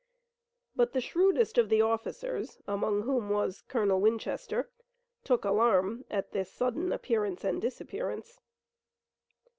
But the shrewdest of the officers, among whom was Colonel Winchester, took alarm at this sudden appearance and disappearance.